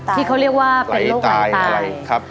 ที่เขาเรียกว่าเป็นโรควันตาย